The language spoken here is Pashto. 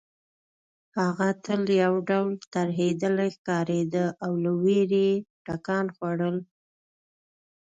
هغه تل یو ډول ترهېدلې ښکارېده او له وېرې یې ټکان خوړل